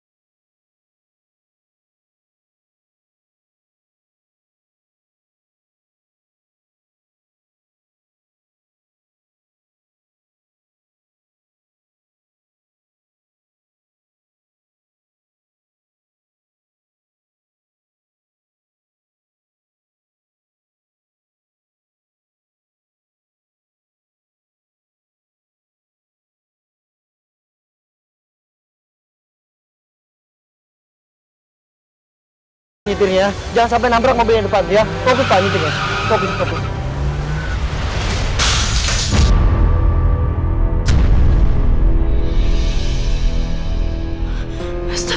tepuk tangan aturkan epidemi